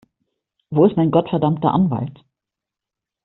Wo ist mein gottverdammter Anwalt?